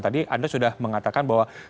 tadi anda sudah mengatakan bahwa